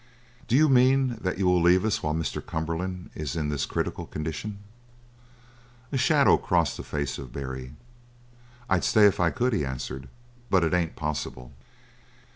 "Do you mean that you will leave us while Mr. Cumberland is in this critical condition?" A shadow crossed the face of Barry. "I'd stay if I could," he answered. "But it ain't possible!"